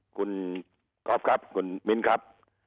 คุณก๊อฟครับคุณมิ้นครับ